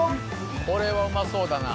これはうまそうだな。